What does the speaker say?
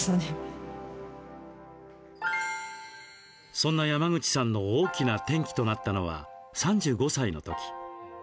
そんな山口さんの大きな転機となったのは３５歳のとき。